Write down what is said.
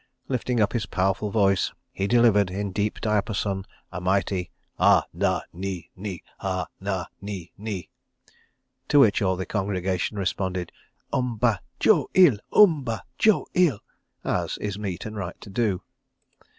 Lifting up his powerful voice he delivered in deep diapason a mighty "Ah Nah Nee Nee! Ah Nah Nee Nee!" to which all the congregation responded "Umba Jo eel! Umba Jo eel" as is meet and right to do.